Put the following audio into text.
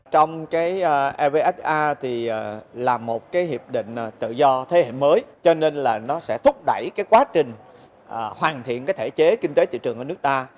trong evfta là một hiệp định tự do thế hệ mới cho nên nó sẽ thúc đẩy quá trình hoàn thiện thể chế kinh tế thị trường ở nước ta